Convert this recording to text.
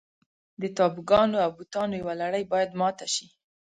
د تابوګانو او بوتانو یوه لړۍ باید ماته شي.